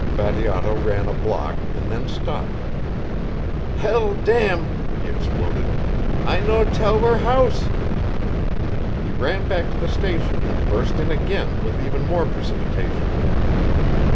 Bateato ran a block and then stopped. "Hell damn!" he exploded. "I no tell where house." He ran back to the station and burst in again with even more precipitation.